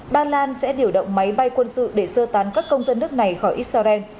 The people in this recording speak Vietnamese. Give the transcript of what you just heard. ba lan sẽ điều động máy bay quân sự để sơ tán các công dân nước này khỏi israel